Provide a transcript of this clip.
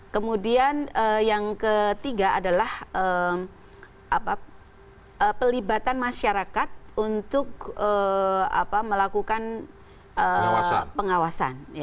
kemudian yang ketiga adalah pelibatan masyarakat untuk melakukan pengawasan